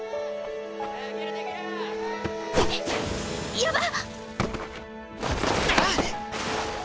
やばっ！